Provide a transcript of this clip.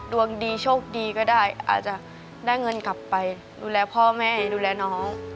ดวงดีโชคดีก็ได้อาจจะได้เงินกลับไปดูแลพ่อแม่ดูแลน้อง